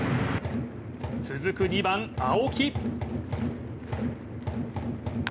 続く２番・青木。